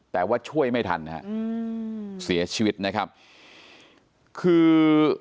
แต่ว่าช่วยไม่ทันนะฮะอืมเสียชีวิตนะครับคือ